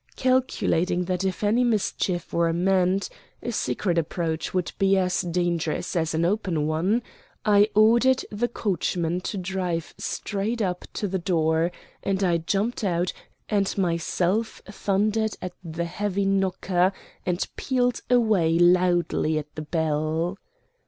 Calculating that if any mischief were meant a secret approach would be as dangerous as an open one, I ordered the coachman to drive straight up to the door, and I jumped out, and myself thundered at the heavy knocker, and pealed away loudly at the bell.